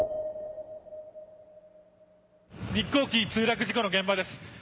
日航機墜落事故の現場です。